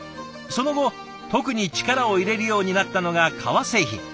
その後特に力を入れるようになったのが革製品。